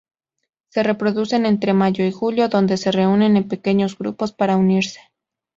Se reproducen entre mayo y julio, donde se reúnen en pequeños grupos para unirse.